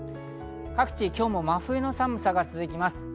各地、今日も真冬の寒さが続きます。